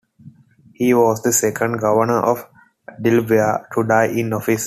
He was the second Governor of Delaware to die in office.